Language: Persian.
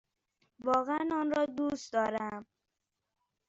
واقعا آن را دوست دارم!